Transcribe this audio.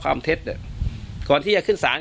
การแก้เคล็ดบางอย่างแค่นั้นเอง